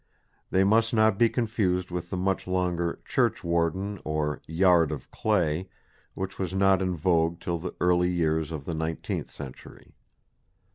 They must not be confused with the much longer "churchwarden" or "yard of clay" which was not in vogue till the early years of the nineteenth century.